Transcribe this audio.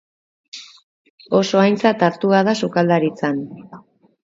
Oso aintzat hartua da sukaldaritzan.